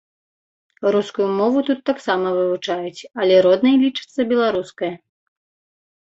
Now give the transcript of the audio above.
Рускую мову тут таксама вывучаюць, але роднай лічыцца беларуская.